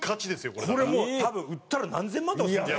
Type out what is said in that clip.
これもう多分売ったら何千万とかするんじゃ。